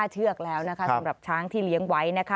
เชือกแล้วนะคะสำหรับช้างที่เลี้ยงไว้